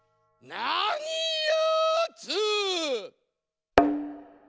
なにやつ？